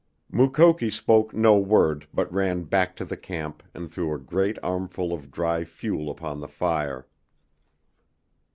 Mukoki spoke no word but ran back to the camp and threw a great armful of dry fuel upon the fire.